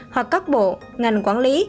hoặc các bộ ngành quản lý